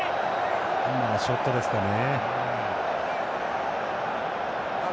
ショットですかね。